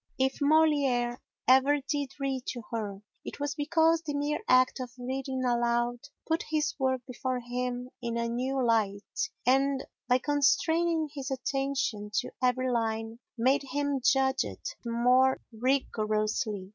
If Molière ever did read to her, it was because the mere act of reading aloud put his work before him in a new light and, by constraining his attention to every line, made him judge it more rigorously.